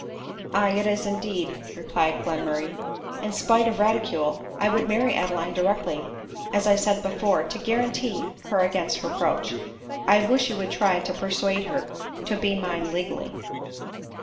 v " Aye, it is indeed," replied Glenmurray ;" and, spite of ridicule, I would many Adeline directly, as I said before, to guaranty her against reproach. I wish you would try to persuade her to be mine legally."